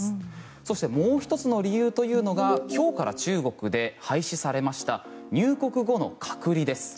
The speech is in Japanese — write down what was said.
そして、もう１つの理由が今日から中国で廃止されました入国後の隔離です。